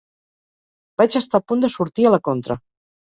Vaig estar a punt de sortir a La Contra.